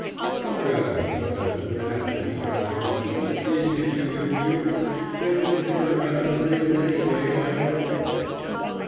"Oh, well," he said, with a happy smile, "don't you see it gives you your cue. Then you can turn around and say that anyway I am a liar."